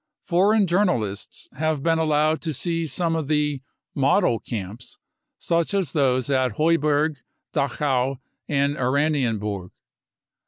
Foreign journalists have been allowed to see some of the " model " camps, such as those of Heuberg, Dachau and Oranienburg.